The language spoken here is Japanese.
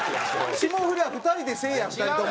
霜降りは２人でせいや２人とも。